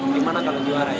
gimana kalau juara ya